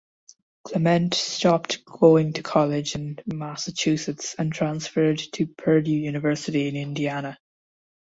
Clement stopped going to college in Massachusetts and transferred to Purdue University in Indiana.